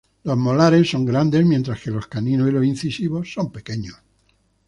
Los molares son grandes, mientras que los caninos y los incisivos son pequeños.